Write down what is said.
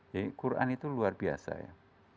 jadi quran itu luar biasa ya